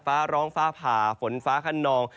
วร้องป่าฝนขั้นนอง